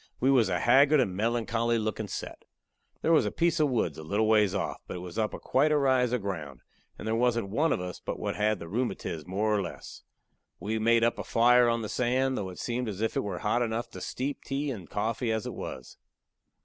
We was a haggard and melancholy lookin' set. There was a piece of woods a little ways off, but it was up quite a rise of ground, and there wasn't one of us but what had the rheumatiz more or less. We made up a fire on the sand, though it seemed as if it was hot enough to steep tea and coffee as it was.